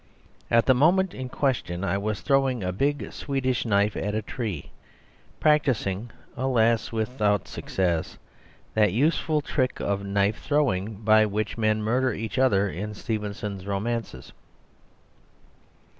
At the moment in question I was throwing a big Swedish knife at a tree, practising (alas, without success) that useful trick of knife throwing by which men murder each other in Stevenson's romances.